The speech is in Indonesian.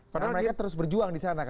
karena mereka terus berjuang disana